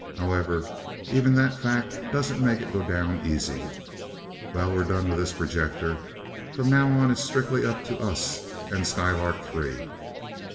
"However, even that fact doesn't make it go down easy. Well, we're done with this projector. From now on it's strictly up to us and Skylark Three.